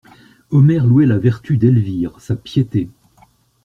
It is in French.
Omer louait la vertu d'Elvire, sa piété.